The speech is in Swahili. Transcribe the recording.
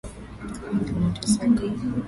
Wengi wanateseka.